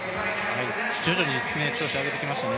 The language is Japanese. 徐々に調子を上げてきましたね。